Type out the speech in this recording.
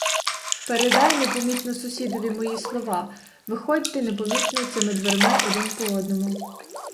Передай непомітно сусідові мої слова, виходьте непомітно цими дверми один по одному.